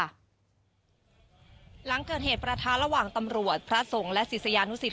หลังเกิดเหตุประทะระหว่างตำรวจพระสงฆ์และศิษยานุสิต